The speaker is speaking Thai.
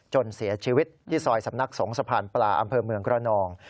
เสียชีวิตที่ซอยสำนักสงฆ์สะพานปลาอำเภอเมืองกระนอง